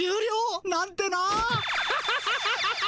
ハハハハハハ。